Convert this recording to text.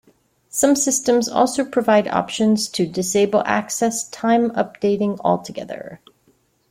Some systems also provide options to disable access time updating altogether.